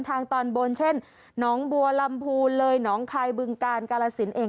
ทางตอนบนเช่นหนองบัวลำพูนเลยหนองคายบึงกาลกาลสินเอง